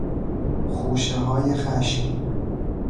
خوشههای خشم